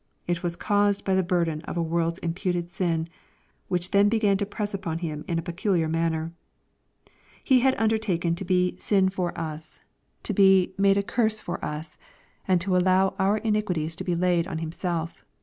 It was caused by the burden of a world's k imputed sin, which then began to press upon Him in a / peculiar manner. He had undertaken to be "sin for us," ^\ LUKE, CHAP. XXII. 423 — to oe •'made a curse for us/' — and to allow our ini quities to be laid on Hiraself.